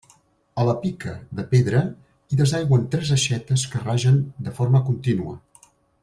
A la pica, de pedra, hi desaigüen tres aixetes que ragen de forma contínua.